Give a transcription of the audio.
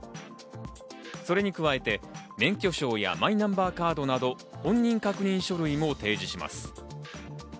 それに加えて免許証やマイナンバーカードなど、本人確認書類も提示します。